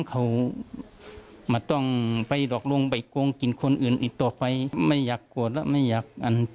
เขาไม่ต้องไปรกรวงดีกงกินคนอื่นอีกต่อไปไม่อยาก